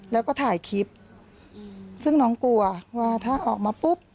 แล้วก็ถ่ายคลิปซึ่งน้องกลัวว่าถ้าออกมาปุ๊บ